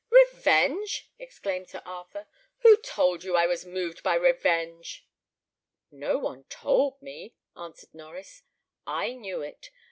"Revenge!" exclaimed Sir Arthur. "Who told you I was moved by revenge?" "No one told me," answered Norries; "I knew it.